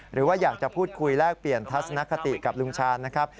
หรือว่าอยากจะพูดคุยแลกเปลี่ยนทัศนคติกับลุงชาญนะครับ